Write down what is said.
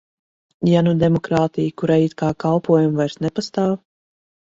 Ja nu demokrātija, kurai it kā kalpojam, vairs nepastāv?